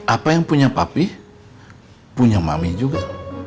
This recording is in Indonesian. apa yang punya papi punya mami juga